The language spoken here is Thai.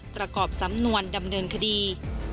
ประกอบสำนวนดำเนินคดี